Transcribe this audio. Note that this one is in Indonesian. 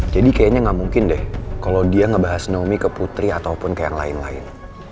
jadi kayaknya gak mungkin deh kalo dia ngebahas naomi ke putri ataupun ke yang lain lain